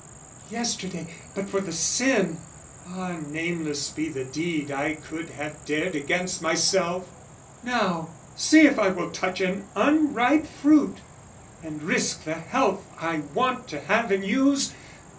"Yesterday, but for the sin, ah, nameless be "The deed I could have dared against myself! "Now see if I will touch an unripe fruit, "And risk the health I want to have and use!